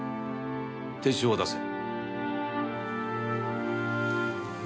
手帳を出せ。